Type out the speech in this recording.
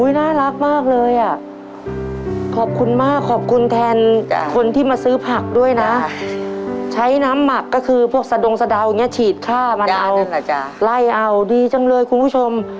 น่ารักมากเลยอ่ะขอบคุณมากขอบคุณแทนคนที่มาซื้อผักด้วยนะใช้น้ำหมักก็คือพวกสะดงสะดาวอย่างนี้ฉีดค่ามานานไล่เอาดีจังเลยคุณผู้ชม